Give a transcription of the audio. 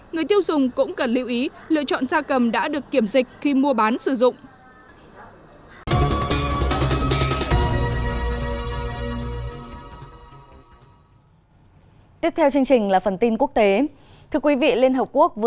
người tiêu dùng cũng cần lưu ý lựa chọn gia cầm đã được kiểm dịch khi mua bán sử dụng